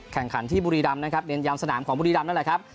แข่งขันที่บุรีรำนะครับเน้นยามสนามของบุรีรำนั่นแหละครับ